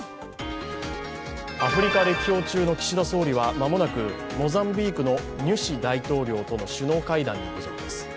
アフリカ歴訪中の岸田総理は間もなくモザンビークのニュシ大統領との首脳会談に臨みます。